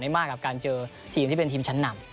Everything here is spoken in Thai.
มากกับการเจอทีมที่เป็นทีมชั้นนำ